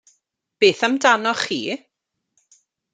Beth amdanoch chi?